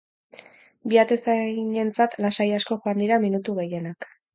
Bi atezainentzat lasai asko joan dira minutu gehienak.